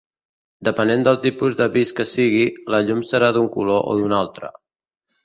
Depenent del tipus d'avís que sigui, la llum serà d'un color o d'un altre.